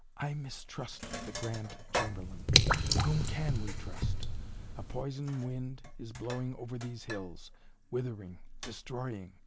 "I mistrust the Grand Chamberlain. Whom can we trust? A poison wind is blowing over these hills withering destroying.